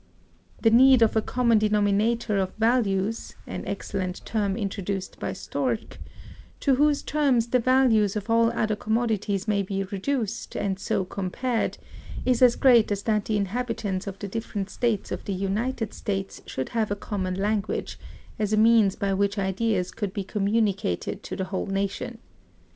The need of a common denominator of values (an excellent term, introduced by Storch), to whose terms the values of all other commodities may be reduced, and so compared, is as great as that the inhabitants of the different States of the United States should have a common language as a means by which ideas could be communicated to the whole nation.